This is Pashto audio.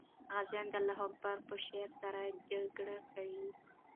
غازیان د الله اکبر په شعار سره جګړه کوي.